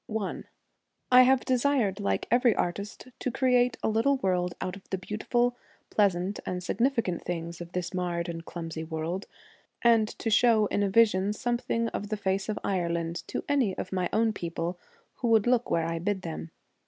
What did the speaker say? i I have desired, like every artist, to create a little world out of the beautiful, pleasant, and significant things of this marred and clumsy world, and to show in a vision something of the face of Ireland to any of my own people who would look where I bid them.